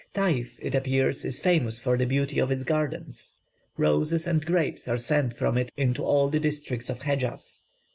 Tayf, it appears, is famous for the beauty of its gardens; roses and grapes are sent from it into all the districts of Hedjaz.